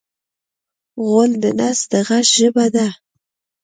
غول د نس د غږ ژبه ده.